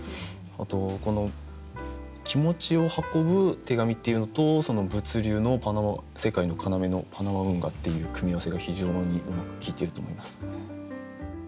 あとこの気持ちを運ぶ手紙っていうのとその物流のパナマ世界の要のパナマ運河っていう組み合わせが非常にうまく効いてると思います。